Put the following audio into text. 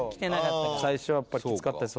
最初はやっぱきつかったです